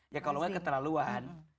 ya kalau gak keterlaluan